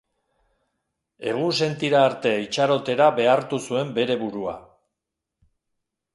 Egunsentira arte itxarotera behartu zuen bere burua.